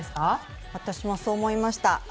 私もそう思いました。